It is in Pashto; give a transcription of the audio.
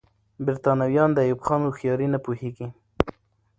برتانويان د ایوب خان هوښیاري نه پوهېږي.